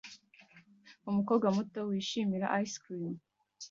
Umukobwa muto wishimira ice cream